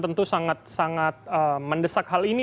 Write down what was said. tentu sangat sangat mendesak hal ini